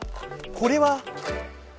これは。